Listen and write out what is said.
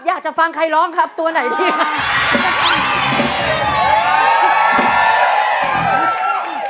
อยากจะฟังใครร้องครับตัวไหนดีครับ